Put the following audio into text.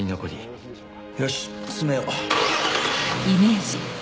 よし進めよう。